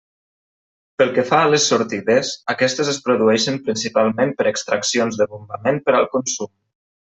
Pel que fa a les sortides, aquestes es produeixen principalment per extraccions de bombament per al consum.